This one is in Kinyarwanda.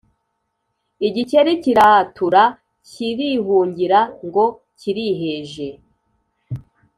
igikeri kiratura kirihungira ngo kiriheje,